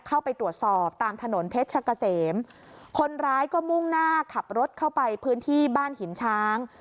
เข้าไปตรวจสอบตามถนนเพชรกะเสมคนร้ายก็มุ่งหน้าขับรถเข้าไปพื้นที่บ้านหินช้าง